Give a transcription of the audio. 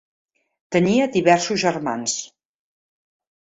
Tenia diversos germans.